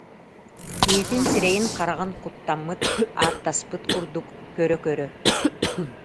Киһитин сирэйин-хараҕын куттаммыт, ааттаспыт курдук көрө-көрө: